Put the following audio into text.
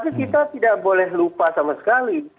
tapi kita tidak boleh lupa sama sekali